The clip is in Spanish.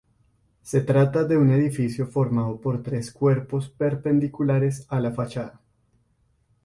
Se trata de un edificio formado por tres cuerpos perpendiculares a la fachada.